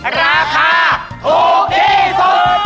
ราคาถูกสุด